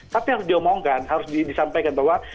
tapi harus diomongkan harus disampaikan bahwa